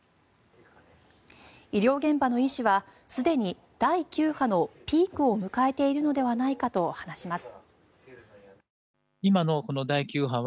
医療現場の医師はすでに第９波のピークを迎えているのではないかと話します。